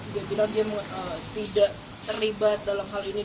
dia bilang dia tidak terlibat dalam hal ini